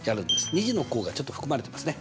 ２次の項がちょっと含まれてますね。